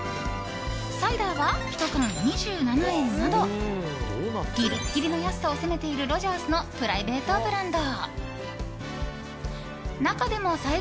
サイダーは１缶２７円などギリギリの安さを攻めているロヂャースのプライベートブランド。